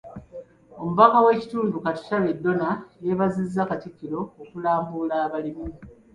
Omubaka w’ekitundu, Katushabe Donah yeebazizza Katikkiro okulambula abalimi.